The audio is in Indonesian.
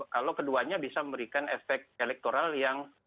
kalau keduanya bisa memberikan efek elektoral yang